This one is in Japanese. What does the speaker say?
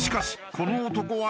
この男は